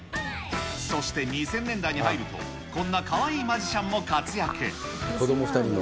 そして２０００年代に入ると、こんなかわいいマジシャンも活躍。